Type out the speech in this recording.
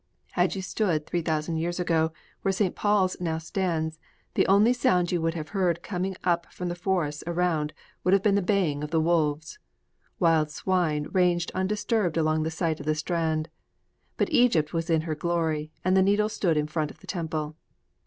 Had you stood, three thousand years ago, where St. Paul's now stands, the only sound that you would have heard coming up from the forests around would have been the baying of the wolves. Wild swine ranged undisturbed along the site of the Strand. But Egypt was in her glory, and the Needle stood in front of the temple!